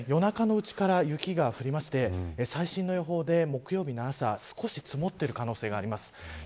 夜中のうちから雪が降りまして最新の予報で木曜日の朝少し積もっている可能性があります。